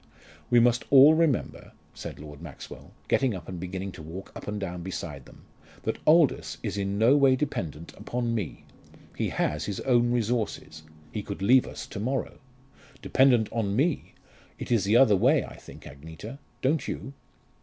"We must all remember," said Lord Maxwell, getting up and beginning to walk up and down beside them, "that Aldous is in no way dependent upon me. He has his own resources. He could leave us to morrow. Dependent on me! It is the other way, I think, Agneta don't you?"